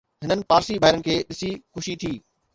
هنن پارسي ڀائرن کي ڏسي خوشي ٿي